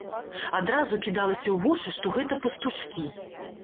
Адразу кідалася ў вочы, што гэта пастушкі.